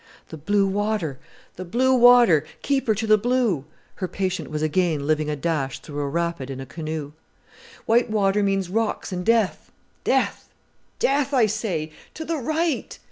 "The blue water, the blue water, keep her to the blue!" her patient was again living a dash through a rapid in a canoe. "White water means rocks and death death death, I say! To the right!"